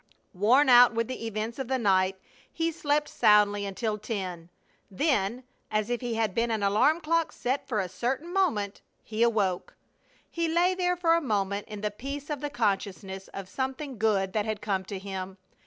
Worn out with the events of the night, he slept soundly until ten. Then, as if he had been an alarm clock set for a certain moment, he awoke. He lay there for a moment in the peace of the consciousness of something good that had come to him.